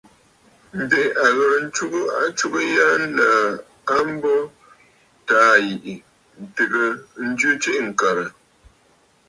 Ǹdè a ghɨ̀rə ntsugə atsugə ya nlə̀ə̀ a mbo Taà bìʼì tɨgə jɨ tsiʼì ŋ̀kə̀rə̀.